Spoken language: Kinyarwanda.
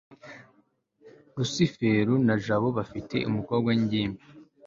rusufero na jabo bafite umukobwa w'ingimbi